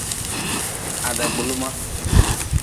Ha dagbuli ma.